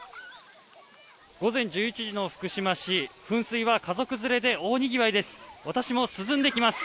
午前１１時の福島市噴水は家族連れで大にぎわいです。